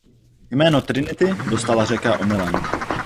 Jméno Trinity dostala řeka omylem.